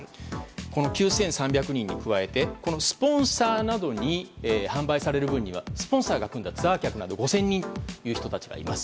９３００人に加えてスポンサーなどに販売される分にはスポンサーが組んだツアー客など５０００人という人たちがいます。